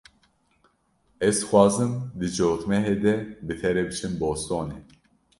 Ez dixwazim di cotmehê de bi te re biçim Bostonê.